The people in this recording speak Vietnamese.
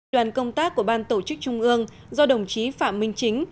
đoàn công tác của ban tổ chức trung ương do đồng chí phạm minh chính